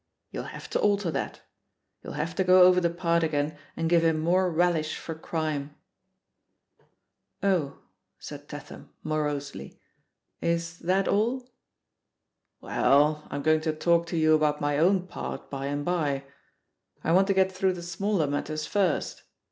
You'll have to alter that; you'll have to go over the part agam and give him more relish for crime." ^Oh," said Tatham morosely. "Is that all? Well, I'm going to talk to you about my own part by and by — I want to get through the smaller matters first.